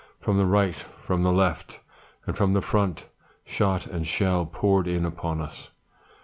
From the right, from the left, and from the front, shot and shell poured in upon us.